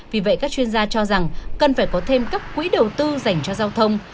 vì vậy các chuyên gia cho rằng cần phải có thêm các quỹ đầu tư dành cho giao thông